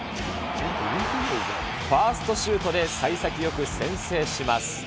ファーストシュートでさい先よく先制します。